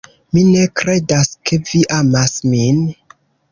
Mi ne kredas ke vi amas min.